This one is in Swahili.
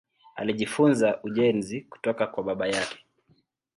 Alijifunza ujenzi kutoka kwa baba yake.